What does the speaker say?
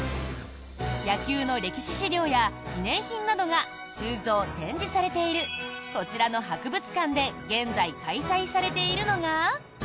野球の歴史資料や記念品などが収蔵・展示されているこちらの博物館で現在、開催されているのが。